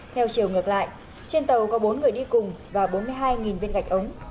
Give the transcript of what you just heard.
theo chiều ngược lại trên tàu có bốn người đi cùng và bốn mươi hai viên gạch ống